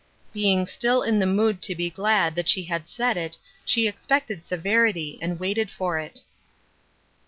Being still in the mood to be glad that she had said it she expected severity, and waited for it.